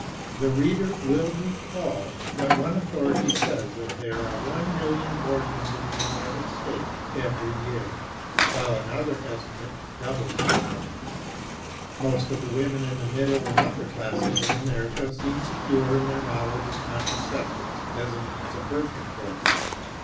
The reader will recall that one authority says that there are 1,000,000 abortions in the United States every year, while another estimates double that number. Most of the women of the middle and upper classes in America seem secure in their knowledge of contraceptives as a means of birth control.